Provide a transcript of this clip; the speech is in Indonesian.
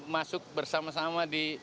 masuk bersama sama di